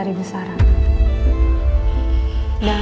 si buruk rupa